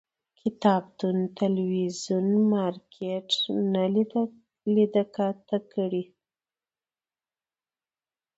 کتابتون، تلویزون، مارکيټ نه لیده کاته کړي